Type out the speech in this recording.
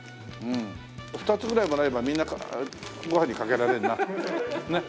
２つぐらいもらえばみんなご飯にかけられるな。ねえ。